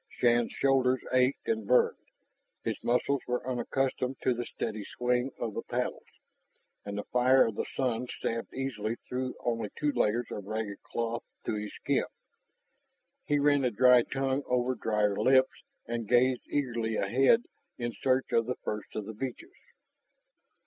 Shann's shoulders ached and burned, his muscles were unaccustomed to the steady swing of the paddles, and the fire of the sun stabbed easily through only two layers of ragged cloth to his skin. He ran a dry tongue over dryer lips and gazed eagerly ahead in search of the first of the beaches.